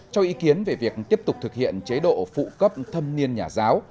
cho ý kiến về việc tiếp tục thực hiện chế độ phụ cấp thâm niên nhà giáo